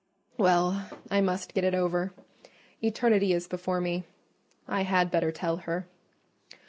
"Well, I must get it over. Eternity is before me: I had better tell her.